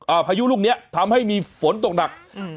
พายุลูกเนี้ยทำให้มีฝนตกหนักอืม